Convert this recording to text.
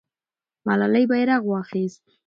ملالۍ بیرغ واخیست.